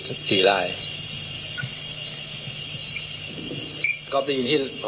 ก็พูดไหมเยอิทครับสวัสดีค่ะ